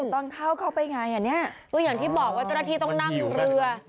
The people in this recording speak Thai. ตอนเข้าเข้าไปไงอย่างที่บอกว่าตรฐีต้องนั่งเรือ